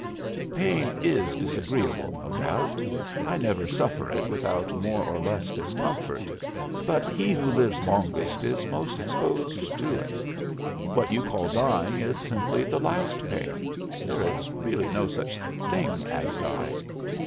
"Pain is disagreeable, no doubt. I never suffer it without more or less discomfort. But he who lives longest is most exposed to it. What you call dying is simply the last pain there is really no such thing as dying.